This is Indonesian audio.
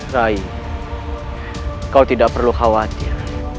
saya kau tidak perlu khawatir